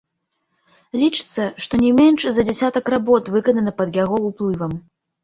Лічыцца, што не менш за дзясятак работ выканана пад яго уплывам.